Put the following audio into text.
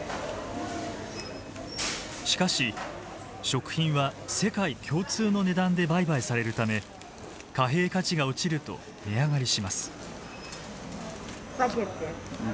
しかし食品は世界共通の値段で売買されるため貨幣価値が落ちると値上がりします。